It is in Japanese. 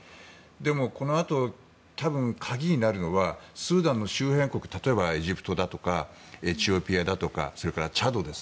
でもこのあと多分、鍵になるのはスーダンの周辺国例えばエジプトだとかエチオピアだとかそれからチャド。